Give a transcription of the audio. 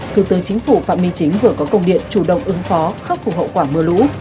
thứ tư chính phủ phạm my chính vừa có công điện chủ động ứng phó khắc phục hậu quả mưa lũ